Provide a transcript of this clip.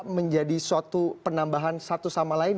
menjadi suatu penambahan satu sama lain